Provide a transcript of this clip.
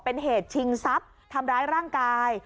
เป็นเหตุชิงทรัพย์ทำร้ายร่างกาย